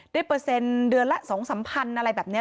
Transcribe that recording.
เปอร์เซ็นต์เดือนละ๒๓พันอะไรแบบนี้